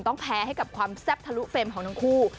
ต้องแพ้ให้กับความแซ่บทะลุเฟรมของทั้งคู่